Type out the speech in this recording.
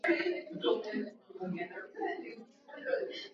tuangalie njia zote zinazowezeka kutumika kuwasilisha maudhui